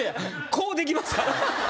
こうできますから。